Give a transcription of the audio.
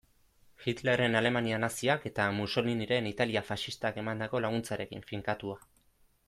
Hitlerren Alemania naziak eta Mussoliniren Italia faxistak emandako laguntzarekin finkatua.